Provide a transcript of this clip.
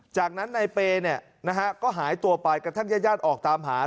จากนั้นนายเปย์ก็หายตัวไปกระทั่งญาติออกตามหา